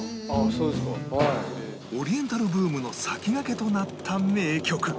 オリエンタルブームの先駆けとなった名曲